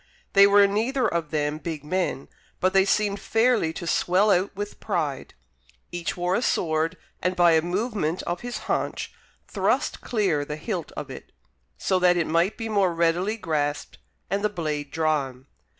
They were neither of them big men, but they seemed fairly to swell out with pride. Each wore a sword, and by a movement of his haunch, thrust clear the hilt of it, so that it might be the more readily grasped and the blade drawn.